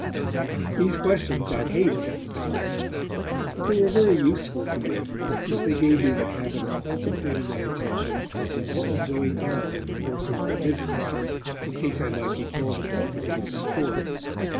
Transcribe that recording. These questions I hated at the time, but they were very useful to me, since they gave me the habit of concentrating my attention on what was going on in the course of our visits, in case I might be called upon to give a report.